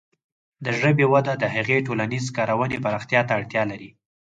د ژبې وده د هغې د ټولنیزې کارونې پراختیا ته اړتیا لري.